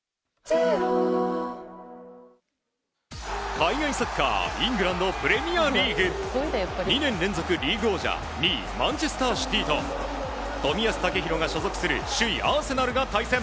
海外サッカーイングランド・プレミアリーグ。２年連続リーグ王者２位、マンチェスター・シティと冨安健洋が所属する首位アーセナルが対戦。